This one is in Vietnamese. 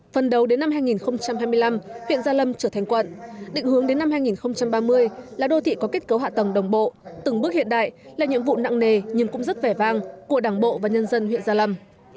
phần đầu đến năm hai nghìn hai mươi năm huyện gia lâm trở thành quận định hướng đến năm hai nghìn ba mươi là đô thị có kết cấu hạ tầng đồng bộ từng bước hiện đại là nhiệm vụ nặng nề nhưng cũng rất vẻ vang của đảng bộ và nhân dân huyện gia lâm